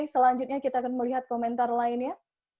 selanjutnya kita akan melihat komentar lainnya